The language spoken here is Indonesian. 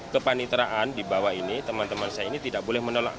kepaniteraan di bawah ini teman teman saya ini tidak boleh menolak